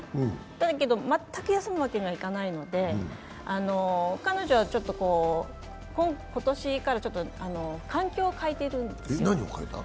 だけど全く休むわけにはいかないので、彼女は、今年から環境を変えてるんですよ。